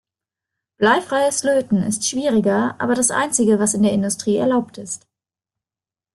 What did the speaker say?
Bleifreies Löten ist schwieriger, aber das einzige, was in der Industrie erlaubt ist.